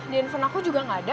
din phone aku juga gak ada